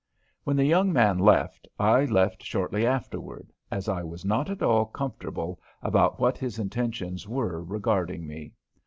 When the young man left I left shortly afterward, as I was not at all comfortable about what his intentions were regarding me.